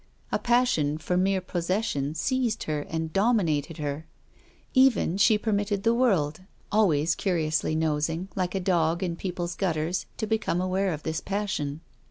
A passion for mere possession seized her and domi nated her. Even, she permitted the world, always curiously nosing, like a dog, in people's gutters, to become aware of this passion.